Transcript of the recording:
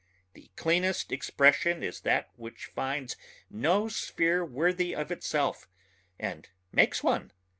The cleanest expression is that which finds no sphere worthy of itself and makes one.